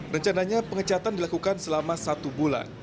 rencananya pengecatan dilakukan selama satu bulan